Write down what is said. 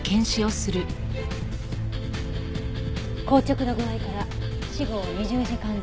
硬直の具合から死後２０時間前後。